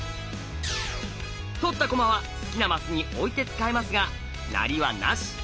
取った駒は好きなマスに置いて使えますが成りはなし。